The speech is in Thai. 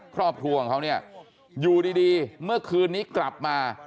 ครอบครัวของเขาเนี่ยอยู่ดีเมื่อคืนนี้กลับมา